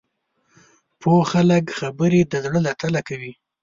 پوه خلک خبرې د زړه له تله کوي